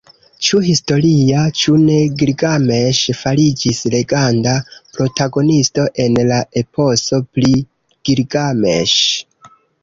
Ĉu historia, ĉu ne, Gilgameŝ fariĝis legenda protagonisto en la "Eposo pri Gilgameŝ".